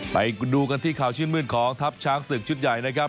ไปดูกันที่ข่าวชื่นมืดของทัพช้างศึกชุดใหญ่นะครับ